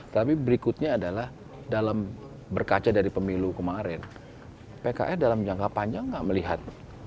tapi berikutnya adalah dalam berkaca dari pemilu kemarin pks dalam jangka panjang nggak melihat